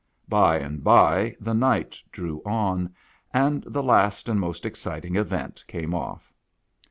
By and by the night drew on, and the last and most exciting event came off.